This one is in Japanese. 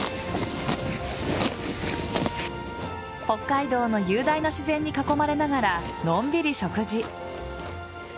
北海道の雄大な自然に囲まれながらのんびり食事。